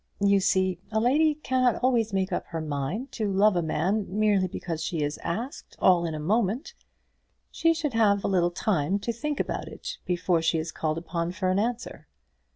You see a lady cannot always make up her mind to love a man, merely because she is asked all in a moment. She should have a little time to think about it before she is called upon for an answer."